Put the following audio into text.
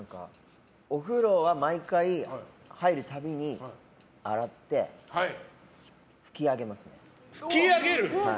お風呂は毎回、入る度に洗って拭き上げます。